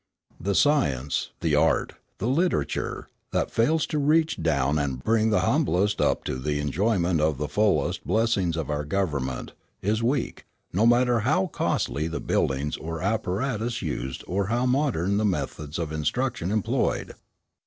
The science, the art, the literature, that fails to reach down and bring the humblest up to the enjoyment of the fullest blessings of our government, is weak, no matter how costly the buildings or apparatus used or how modern the methods of instruction employed.